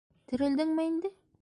Терелдеңме инде?